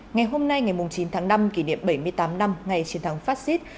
ngày hôm nay ngày chín tháng năm kỷ niệm bảy mươi tám năm ngày chiến thắng fascist